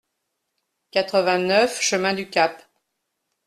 quatre-vingt-neuf chemin du Cap